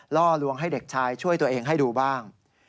ล่อลวงให้เด็กชายช่วยตัวเองให้ดูบ้าง